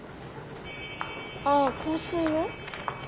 ああ香水の？